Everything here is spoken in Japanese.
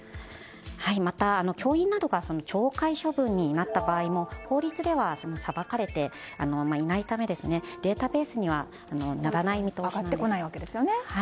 また、教員などが懲戒処分になった場合も法律ではさばかれていないためデータベースには載らない見通しなんです。